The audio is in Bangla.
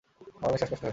আমার অনেক শ্বাসকষ্ট হয়।